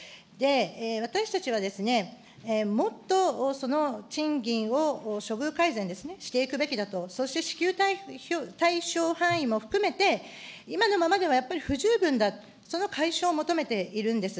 私たちはもっとその賃金を処遇改善ですね、していくべきだと、そして支給対象範囲も含めて、今のままではやっぱり不十分だ、その解消を求めているんです。